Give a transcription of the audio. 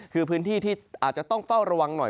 คือพื้นที่ที่อาจจะต้องเฝ้าระวังหน่อย